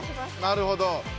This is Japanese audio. なるほど。